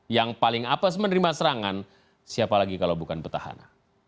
yang paling apes menerima serangan siapa lagi kalau bukan petahana